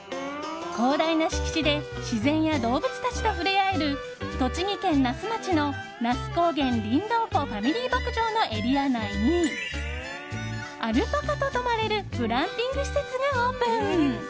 広大な敷地で自然や動物たちと触れ合える栃木県那須町の那須高原りんどう湖ファミリー牧場のエリア内にアルパカと泊まれるグランピング施設がオープン。